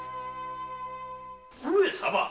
上様。